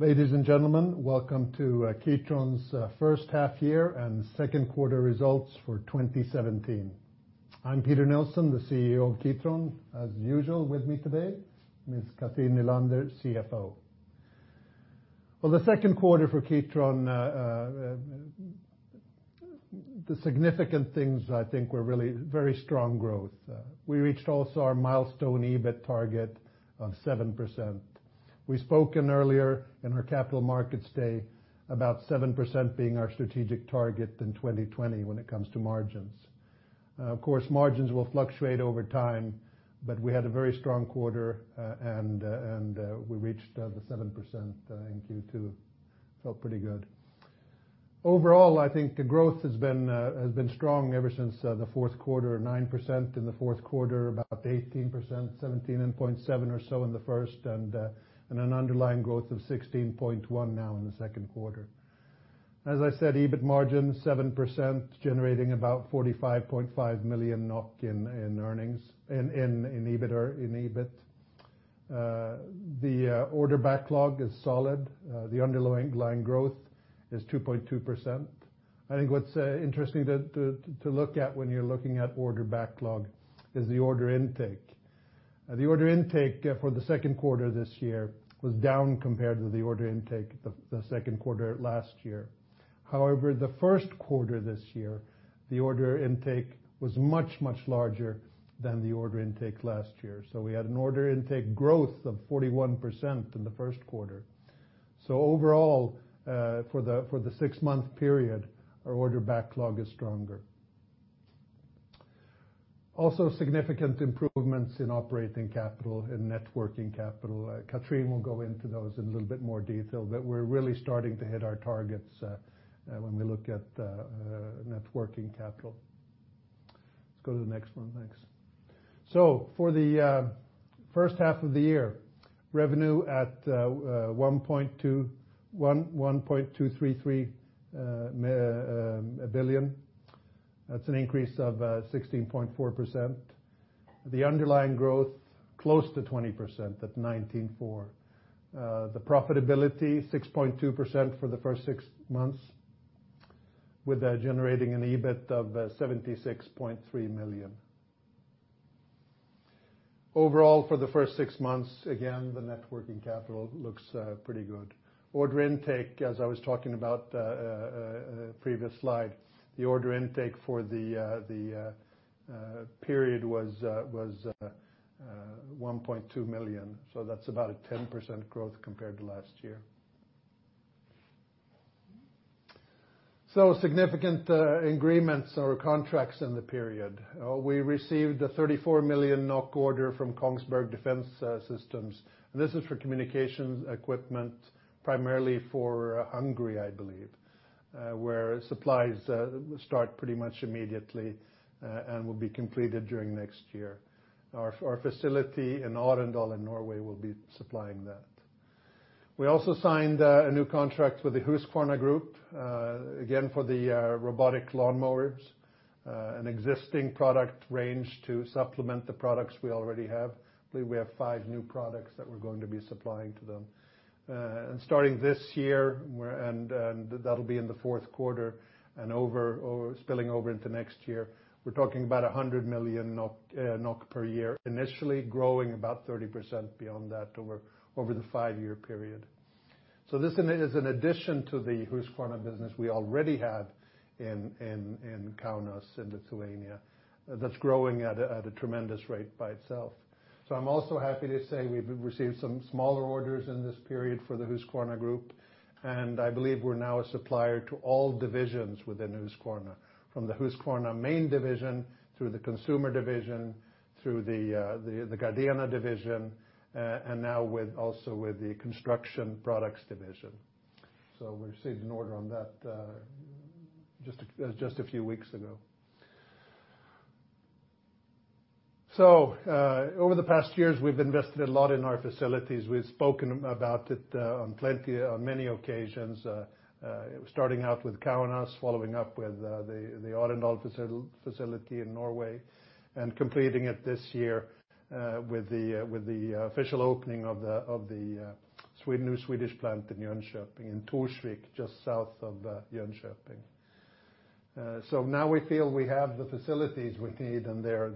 Ladies and gentlemen, welcome to Kitron's first half year and second quarter results for 2017. I'm Peter Nilsson, the CEO of Kitron. As usual, with me today, Ms. Cathrin Nylander, CFO. Well, the second quarter for Kitron, the significant things I think were really very strong growth. We reached also our milestone EBIT target of 7%. We've spoken earlier in our Capital Markets Day about 7% being our strategic target in 2020 when it comes to margins. Of course, margins will fluctuate over time, but we had a very strong quarter, and we reached the 7% in Q2. Felt pretty good. Overall, I think the growth has been strong ever since the fourth quarter. 9% in the fourth quarter, about 18%, 17.7% or so in the first, an underlying growth of 16.1% now in the second quarter. As I said, EBIT margin 7%, generating about 45.5 million NOK in earnings, in EBIT or in EBIT. The order backlog is solid. The underlying growth is 2.2%. I think what's interesting to look at when you're looking at order backlog is the order intake. The order intake for the second quarter this year was down compared to the order intake the second quarter last year. The first quarter this year, the order intake was much larger than the order intake last year. We had an order intake growth of 41% in the first quarter. Overall, for the sixth month period, our order backlog is stronger. Also, significant improvements in operating capital and networking capital. Cathrin will go into those in a little bit more detail, we're really starting to hit our targets when we look at net working capital. Let's go to the next one. Thanks. For the first half of the year, revenue at 1.233 billion. That's an increase of 16.4%. The underlying growth, close to 20% at 19.4%. The profitability, 6.2% for the first sixth months, with that generating an EBIT of 76.3 million. Overall, for the first six months, again, the net working capital looks pretty good. Order intake, as I was talking about, previous slide, the order intake for the period was 1.2 million. That's about a 10% growth compared to last year. Significant agreements or contracts in the period. We received a 34 million NOK order from Kongsberg Defence Systems. This is for communications equipment, primarily for Hungary, I believe, where supplies start pretty much immediately and will be completed during next year. Our facility in Arendal in Norway will be supplying that. We also signed a new contract with the Husqvarna Group, again, for the robotic lawnmowers, an existing product range to supplement the products we already have. I believe we have five new products that we're going to be supplying to them. Starting this year, we're... That'll be in the fourth quarter and spilling over into next year, we're talking about 100 million NOK per year, initially growing about 30% beyond that over the five-year period. This is an addition to the Husqvarna business we already have in Kaunas in Lithuania that's growing at a tremendous rate by itself. I'm also happy to say we've received some smaller orders in this period for the Husqvarna Group, and I believe we're now a supplier to all divisions within Husqvarna, from the Husqvarna main division through the consumer division, through the Gardena division, and now also with the construction products division. We received an order on that just a few weeks ago. Over the past years, we've invested a lot in our facilities. We've spoken about it, on many occasions, starting out with Kaunas, following up with the Arendal facility in Norway, and completing it this year, with the official opening of the new Swedish plant in Jönköping in Torsvik, just south of Jönköping. Now we feel we have the facilities we need, and they're,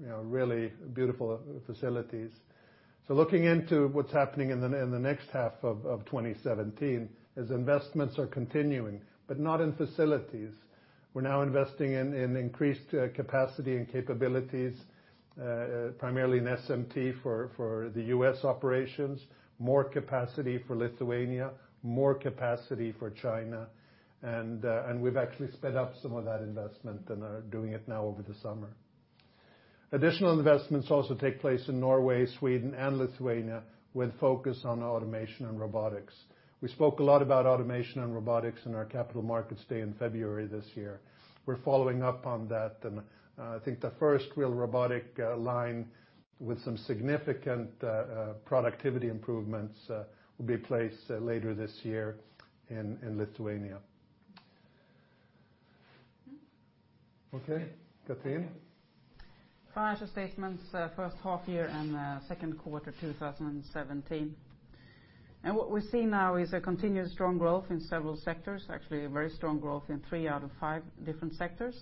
you know, really beautiful facilities. Looking into what's happening in the next half of 2017 is investments are continuing, but not in facilities. We're now investing in increased capacity and capabilities, primarily in SMT for the U.S. operations, more capacity for Lithuania, more capacity for China, and we've actually sped up some of that investment and are doing it now over the summer. Additional investments also take place in Norway, Sweden, and Lithuania with focus on automation and robotics. We spoke a lot about automation and robotics in our Capital Markets Day in February this year. We're following up on that. I think the first real robotic line with some significant productivity improvements will be placed later this year in Lithuania. Okay. Cathrin? Financial statements, first half-year and second quarter 2017. What we see now is a continued strong growth in several sectors, actually a very strong growth in three out of five different sectors.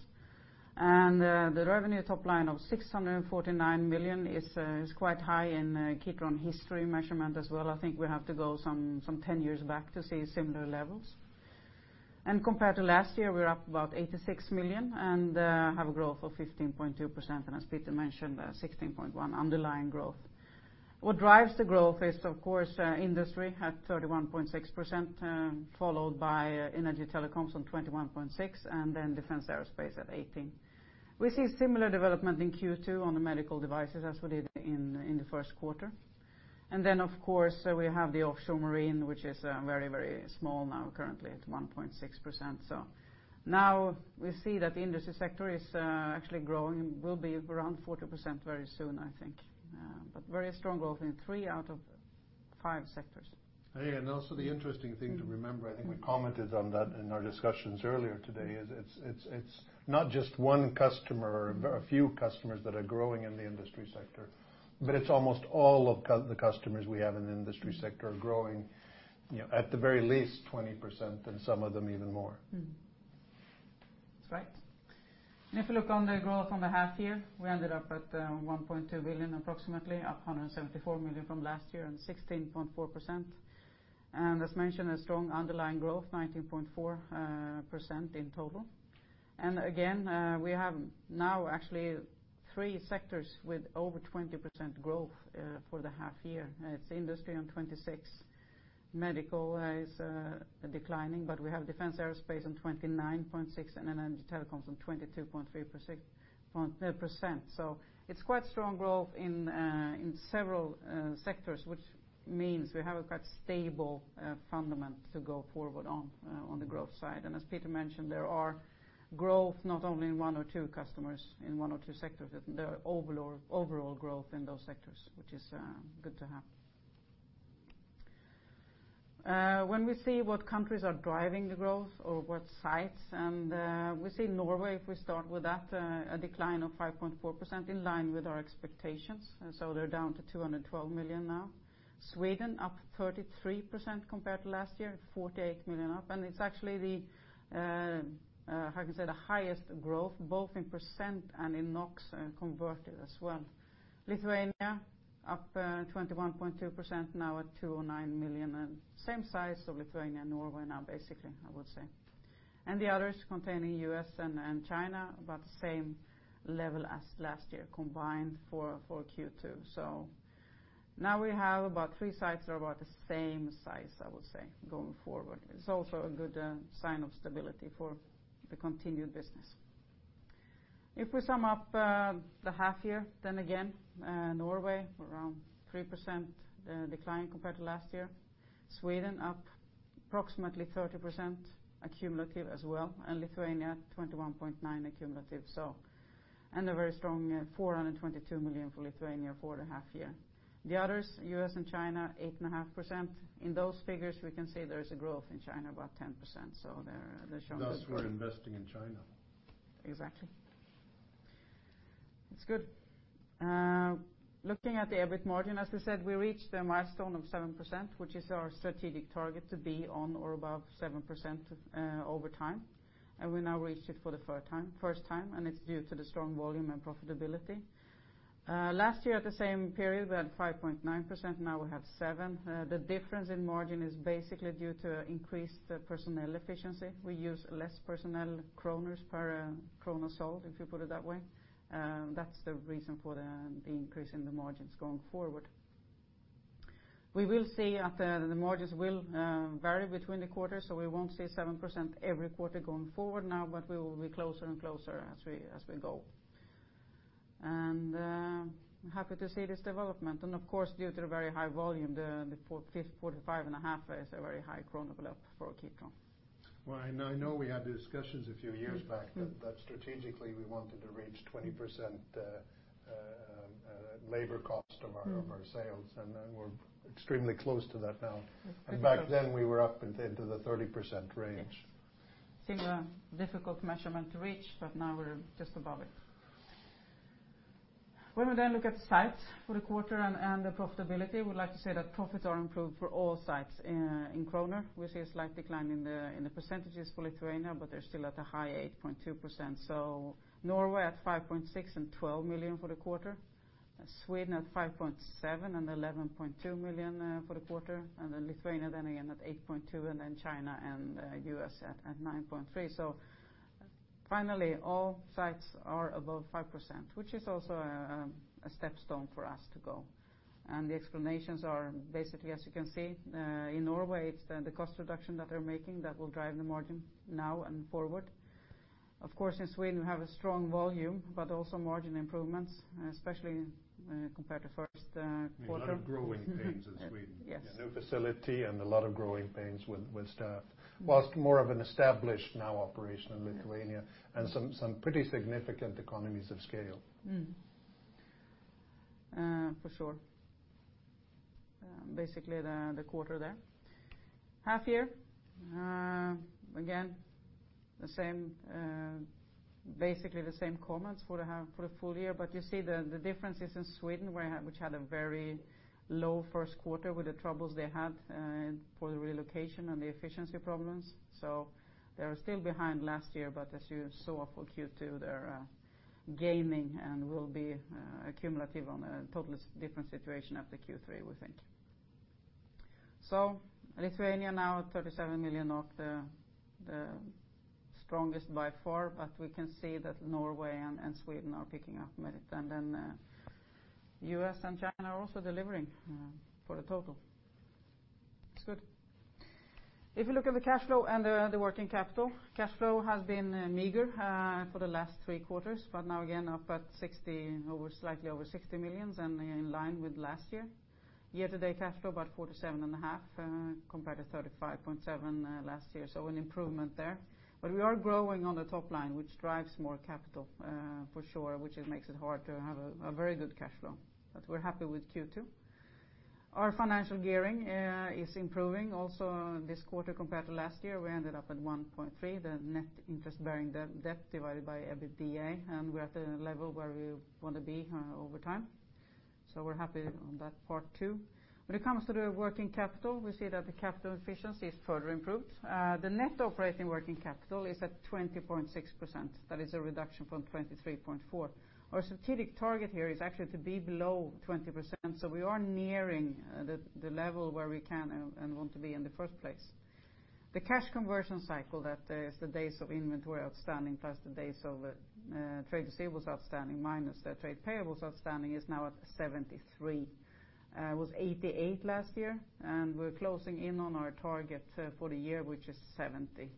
The revenue top line of 649 million is quite high in Kitron history measurement as well. I think we have to go some 10 years back to see similar levels. Compared to last year we're up about 86 million, have a growth of 15.2%, and as Peter mentioned, 16.1% underlying growth. What drives the growth is of course, industry at 31.6%, followed by Energy/Telecoms on 21.6%, and then Defense/Aerospace at 18%. We see similar development in Q2 on the Medical devices as we did in the first quarter. Of course, we have the offshore marine which is very, very small now, currently at 1.6%. Now we see that the industry sector is actually growing, will be around 40% very soon I think. Very strong growth in three out of five sectors. Also the interesting thing to remember, I think we commented on that in our discussions earlier today, is it's not just one customer or a few customers that are growing in the industry sector, but it's almost all of the customers we have in the industry sector are growing, you know, at the very least 20%, and some of them even more. That's right. If you look on the growth on the half year, we ended up at 1.2 billion approximately, up 174 million from last year and 16.4%. As mentioned, a strong underlying growth, 19.4% in total. Again, we have now actually three sectors with over 20% growth for the half year. It's Industry on 26, Medical is declining, but we have Defense/Aerospace on 29.6, and then Energy/Telecoms on 22.3%. It's quite strong growth in several sectors, which means we have a quite stable fundament to go forward on the growth side. As Peter mentioned, there are growth not only in one or two customers, in one or two sectors, there are overall growth in those sectors, which is good to have. When we see what countries are driving the growth or what sites, we see Norway if we start with that, a decline of 5.4% in line with our expectations. They're down to 212 million now. Sweden up 33% compared to last year, at 48 million up, it's actually the, how can I say, the highest growth both in percent and in NOK converted as well. Lithuania up 21.2%, now at 209 million, same size of Lithuania and Norway now basically, I would say. The others containing U.S. And China, about the same level as last year combined for Q2. Now we have about three sites are about the same size I would say going forward. It's also a good sign of stability for the continued business. If we sum up the half year, Norway around 3% decline compared to last year. Sweden up approximately 30% accumulative as well, Lithuania 21.9% accumulative, and a very strong 422 million for Lithuania for the half year. The others, U.S. and China, 8.5%. In those figures, we can see there is a growth in China, about 10%, they're showing good growth. Thus we're investing in China. Exactly. It's good. Looking at the EBIT margin, as we said, we reached a milestone of 7%, which is our strategic target to be on or above 7% over time. We now reached it for the third time, first time, and it's due to the strong volume and profitability. Last year at the same period we had 5.9%, now we have 7%. The difference in margin is basically due to increased personnel efficiency. We use less personnel kroner per kroner sold, if you put it that way. That's the reason for the increase in the margins going forward. We will see at the margins will vary between the quarters, so we won't see 7% every quarter going forward now, but we will be closer and closer as we go. Happy to see this development. Of course due to the very high volume, 45 and a half is a very high NOK pull-up for Kitron. Well, I know we had discussions a few years back that strategically we wanted to reach 20% labor cost. Mm. of our sales, and, we're extremely close to that now. Extremely close. Back then we were up into the 30% range. Yes. Similar difficult measurement to reach, but now we're just above it. When we look at the sites for the quarter and the profitability, we like to say that profits are improved for all sites in kroner. We see a slight decline in the percentages for Lithuania, but they're still at a high 8.2%. Norway at 5.6% and 12 million for the quarter. Sweden at 5.7% and 11.2 million for the quarter, and then Lithuania again at 8.2%, and China and U.S. at 9.3%. Finally all sites are above 5%, which is also a step stone for us to go. The explanations are basically, as you can see, in Norway it's the cost reduction that they're making that will drive the margin now and forward. Of course in Sweden we have a strong volume, but also margin improvements, especially when compared to first quarter. A lot of growing pains in Sweden. Yes. A new facility and a lot of growing pains with staff. Whilst more of an established now operation in Lithuania. Mm. some pretty significant economies of scale. For sure. Basically the quarter there. Half year, again, the same, basically the same comments for the full year. You see the differences in Sweden which had a very low first quarter with the troubles they had for the relocation and the efficiency problems. They're still behind last year, but as you saw for Q2, they're gaining and will be cumulative on a totally different situation after Q3, we think. Lithuania now 37 million, not the strongest by far, but we can see that Norway and Sweden are picking up a bit. Then U.S. and China are also delivering for the total. It's good. If you look at the cash flow and the working capital, cash flow has been meager for the last three quarters, but now again up at 60 over, slightly over 60 million and in line with last year. Year-to-date cash flow about 47.5 compared to 35.7 last year, an improvement there. We are growing on the top line, which drives more capital for sure, which it makes it hard to have a very good cash flow. We're happy with Q2. Our financial gearing is improving also this quarter compared to last year. We ended up at 1.3, the net interest-bearing debt divided by EBITDA, and we're at a level where we want to be over time. We're happy on that part too. When it comes to the working capital, we see that the capital efficiency is further improved. The net operating working capital is at 20.6%. That is a reduction from 23.4. Our strategic target here is actually to be below 20%, we are nearing the level where we can and want to be in the first place. The cash conversion cycle, that is the days of inventory outstanding plus the days of trade receivables outstanding minus the trade payables outstanding is now at 73. It was 88 last year, we're closing in on our target for the year, which is 70.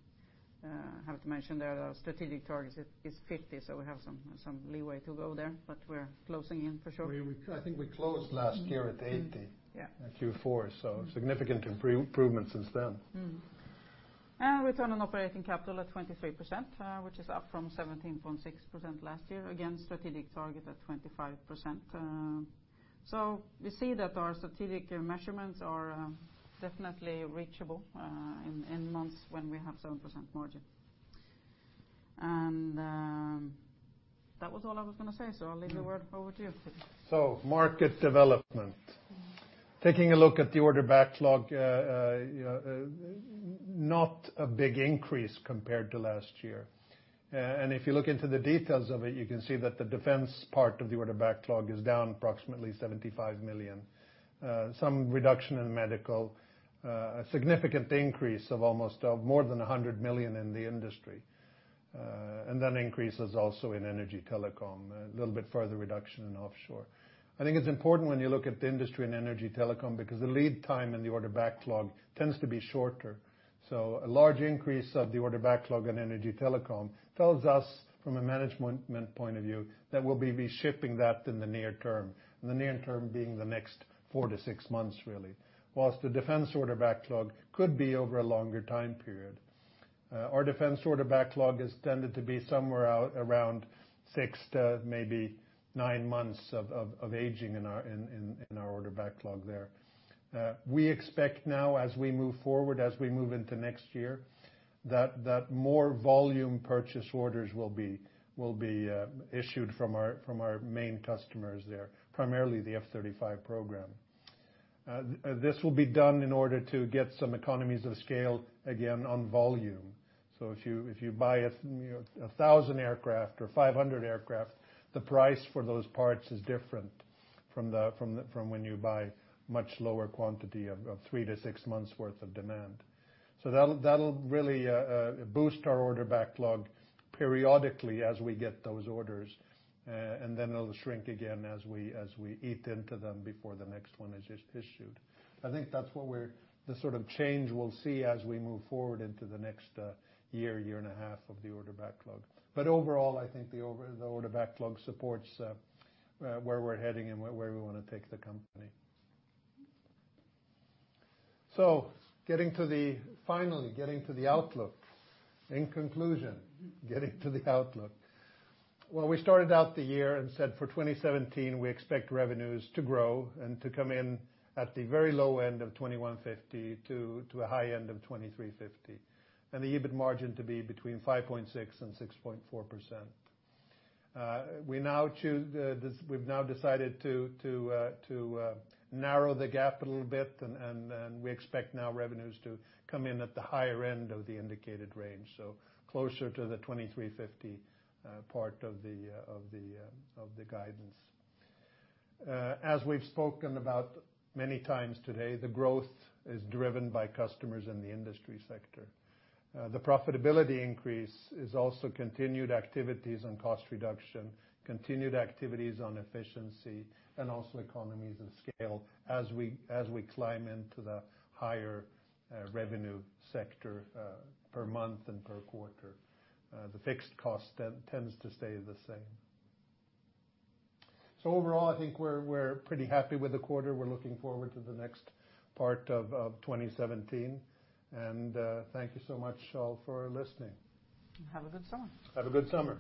I have to mention that our strategic target is 50, we have some leeway to go there, we're closing in for sure. I think we closed last year. Mm. at 80. Yeah. At Q4, significant improvement since then. Return on operating capital at 23%, which is up from 17.6% last year. Strategic target at 25%. We see that our strategic measurements are definitely reachable in months when we have 7% margin. That was all I was gonna say, I'll leave the word over to you. Market development. Mm. Taking a look at the order backlog, not a big increase compared to last year. If you look into the details of it, you can see that the defense part of the order backlog is down approximately 75 million. Some reduction in medical, a significant increase of more than 100 million in the industry. Increases also in energy telecom, a little bit further reduction in offshore. I think it's important when you look at the industry and energy telecom because the lead time in the order backlog tends to be shorter. A large increase of the order backlog in energy telecom tells us from a management point of view that we'll be shipping that in the near term, the near term being the next four to six months, really. The defense order backlog could be over a longer time period. Our defense order backlog has tended to be somewhere out around six to maybe nine months of aging in our order backlog there. We expect now as we move forward, as we move into next year, that more volume purchase orders will be issued from our main customers there, primarily the F-35 program. This will be done in order to get some economies of scale again on volume. If you buy a, you know, 1,000 aircraft or 500 aircraft, the price for those parts is different from when you buy much lower quantity of three to six months worth of demand. That'll, that'll really boost our order backlog periodically as we get those orders, and then it'll shrink again as we, as we eat into them before the next one is issued. I think that's what we're the sort of change we'll see as we move forward into the next year and a half of the order backlog. Overall, I think the order backlog supports, where we're heading and where we wanna take the company. Getting to the finally, getting to the outlook. In conclusion, getting to the outlook. We started out the year and said for 2017, we expect revenues to grow and to come in at the very low end of 2,150 to a high end of 2,350, and the EBIT margin to be between 5.6% and 6.4%. We've now decided to narrow the gap a little bit and we expect now revenues to come in at the higher end of the indicated range, so closer to the 2,350 part of the guidance. As we've spoken about many times today, the growth is driven by customers in the industry sector. The profitability increase is also continued activities on cost reduction, continued activities on efficiency, and also economies of scale as we, as we climb into the higher revenue sector per month and per quarter. The fixed cost then tends to stay the same. Overall, I think we're pretty happy with the quarter. We're looking forward to the next part of 2017. Thank you so much, all, for listening. Have a good summer. Have a good summer.